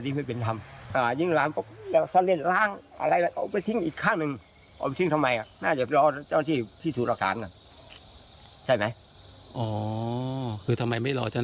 สาวจ้ายตรงชเตช